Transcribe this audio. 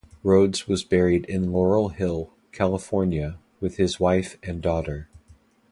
Rhodes was buried in Laurel Hill, California with his wife and daughter.